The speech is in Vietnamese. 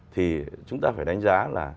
thì chúng ta phải đánh giá là